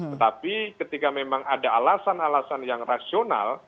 tetapi ketika memang ada alasan alasan yang rasional